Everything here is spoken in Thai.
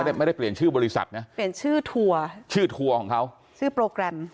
ไม่ได้ไม่ได้เปลี่ยนชื่อบริษัทนะเปลี่ยนชื่อทัวร์ชื่อทัวร์ของเขาชื่อโปรแกรม